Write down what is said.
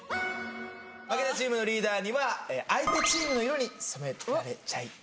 負けたチームのリーダーには相手チームの色に染められちゃいます。